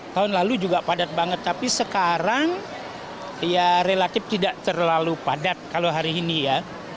tahun lalu juga padat banget tapi sekarang ya relatif tidak terlalu padat kalau hari ini ya